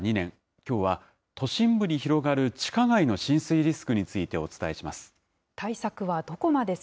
きょうは都心部に広がる地下街の浸水リスクについてお伝えします。